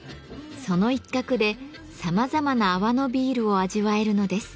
その一角でさまざまな泡のビールを味わえるのです。